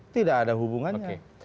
tidak ada hubungannya